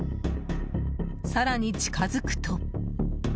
更に近づくと。